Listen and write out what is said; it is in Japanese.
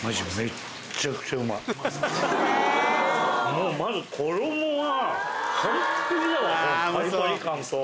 もうまず衣が完璧じゃないこのパリパリ感と。